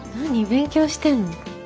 勉強してんの？